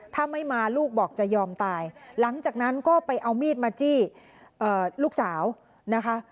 ถ้าไม่มาลูกบอกจะยอมตายหลังจากนั้นก็ไปเอามีดมาจี้ลูกสาวนะคะ